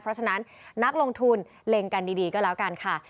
เพราะฉะนั้นนักลงทุนเล็งกันดีก็แล้วกันค่ะ